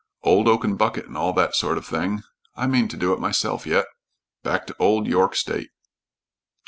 'Old oaken bucket' and all that sort of thing. I mean to do it myself yet, back to old York state."